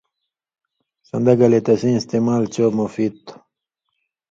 سݩدہ گلے تسیں استعمال چو مفید تُھو۔